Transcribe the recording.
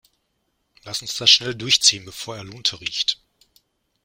Lass uns das schnell durchziehen, bevor er Lunte riecht.